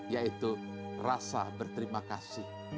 yaitu rasa berterima kasih